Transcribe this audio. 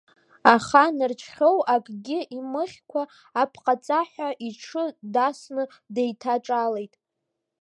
Аха Нарџьхьоу акгьы имыхькәа апҟацаҳәа иҽы даасны деиҭаҿалеит.